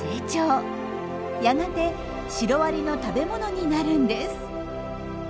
やがてシロアリの食べ物になるんです。